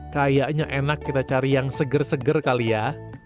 kayaknya enak kita cari yang seger seger kali ya